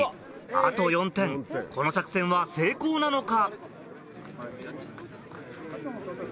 あと４点この作戦は成功なのか？